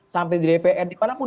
sampai di dpr di mana pun